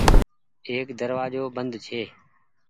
ايڪ دروآزو بند ڇي۔